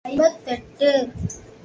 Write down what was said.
நூல் நிலையம் ஐம்பத்தெட்டு.